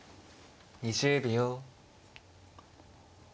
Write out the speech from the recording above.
２０秒。